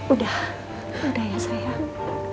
udah udah ya sayang